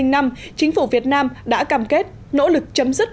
năm hai nghìn năm chính phủ việt nam đã cam kết nỗ lực chấm dứt